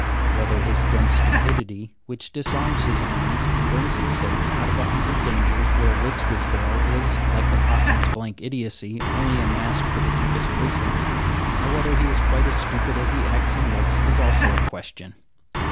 Whether his dense stupidity, Which disarms his enemies and brings him safe out of a hundred dangers where wits would fail, is, like the possum's blank idiocy, only a mask for the deepest wisdom; or whether he is quite as stupid as he acts and looks, is also a question.